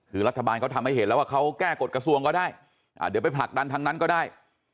คือรัฐบาลเขาทำให้เห็นแล้วว่าเขาแก้กฎกระทรวงก็ได้เดี๋ยวไปผลักดันทางนั้นก็ได้